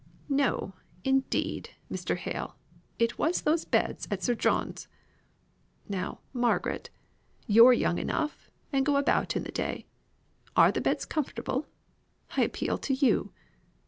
"No, indeed, Mr. Hale, it was those beds at Sir John's. Now, Margaret, you're young enough, and go about in the day; are the beds comfortable? I appeal to you.